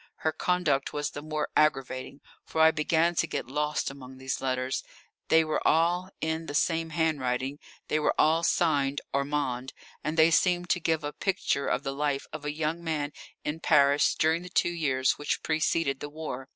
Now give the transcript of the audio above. Her conduct was the more aggravating, for I began to get lost among these letters. They were all in the same handwriting; they were all signed "Armand," and they seemed to give a picture of the life of a young man in Paris during the two years which preceded the war.